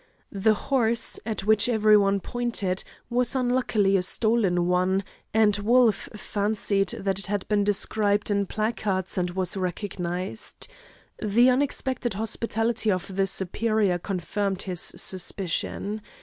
The horse, at which every one pointed, was unluckily a stolen one, and Wolf fancied that it had been described in placards and was recognised. The unexpected hospitality of the superior confirmed his suspicion.